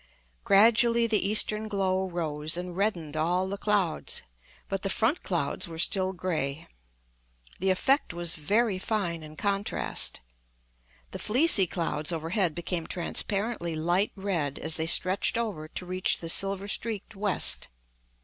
Gradually the eastern glow rose and reddened all the clouds, but the front clouds were still grey. The effect was very fine in contrast. The fleecy clouds overhead became transparently light red, as they stretched over to reach the silver streaked west.